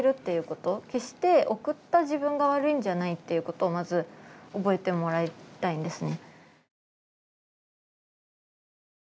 決して送った自分が悪いんじゃないっていうことをまず覚えてもらいたいんですね。